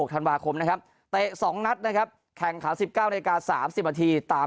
ธันวาคมนะครับเตะ๒นัดนะครับแข่งขัน๑๙นาที๓๐นาทีตาม